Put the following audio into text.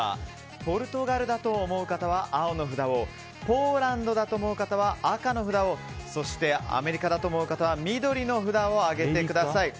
ポルトガルだと思う方は青の札をポーランドだと思う方は赤の札をそして、アメリカだと思う方は緑の札を上げてください。